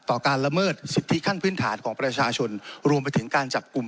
การละเมิดสิทธิขั้นพื้นฐานของประชาชนรวมไปถึงการจับกลุ่ม